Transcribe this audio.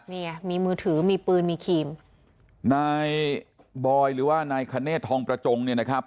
นี่ไงมีมือถือมีปืนมีครีมนายบอยหรือว่านายคเนธทองประจงเนี่ยนะครับ